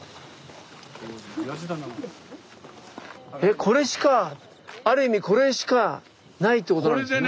これしかある意味これしかないってことなんですね？